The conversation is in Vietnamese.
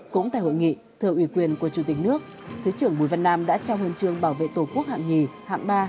cũng tại hội nghị thờ ủy quyền của chủ tịch nước thứ trưởng bùi văn nam đã trao huyền trương bảo vệ tổ quốc hạng hai hạng ba